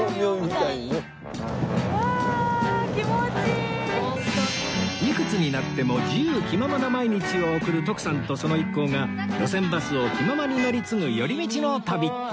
いくつになっても自由気ままな毎日を送る徳さんとその一行が路線バスを気ままに乗り継ぐ寄り道の旅